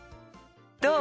どう？